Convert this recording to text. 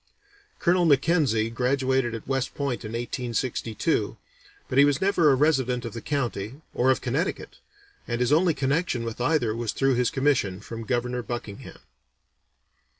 Colonel Mackenzie graduated at West Point in 1862, but he was never a resident of the county, or of Connecticut, and his only connection with either was through his commission from Governor Buckingham.